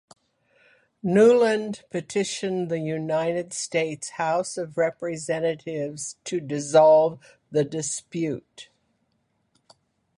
Newland petitioned the United States House of Representatives to resolve the dispute.